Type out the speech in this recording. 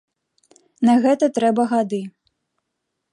На гэта трэба гады.